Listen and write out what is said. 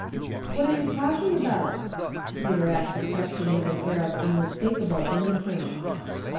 "*' What are you talking about ?" Peter asked the question with an air of unmistakable inno cence.